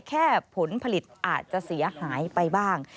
ผลผลิตอาจจะเสียหายไปบ้าง